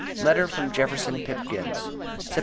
LETTER FROM JEFFERSON PIPKINS. Sept.